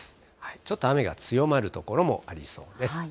ちょっと雨が強まる所もありそうです。